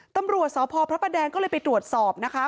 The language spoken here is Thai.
ตำรวจสพพระประแดงก็เลยไปตรวจสอบนะคะ